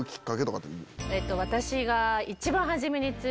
私が。